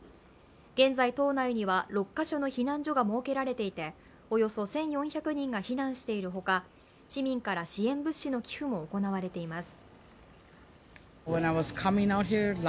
現在、島内には６か所の避難所が設けられていて、およそ１４００人が避難しているほか、市民から支援物資の寄付も行われています。